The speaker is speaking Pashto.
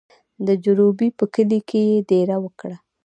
د جروبي په کلي کې یې دېره وکړه.